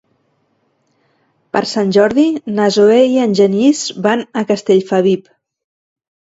Per Sant Jordi na Zoè i en Genís van a Castellfabib.